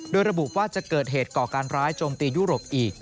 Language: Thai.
โดยระบุว่าจะเกิดเหตุก่อการร้ายโจมตียุโรปอีก